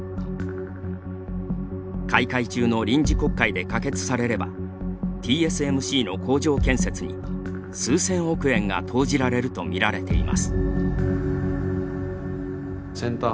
開会中の臨時国会で可決されればＴＳＭＣの工場建設に数千億円が投じられると見られています。